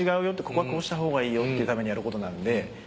ここはこうしたほうがいいよっていうためにやることなので。